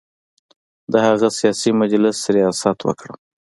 د هغه سیاسي مجلس ریاست وکړم.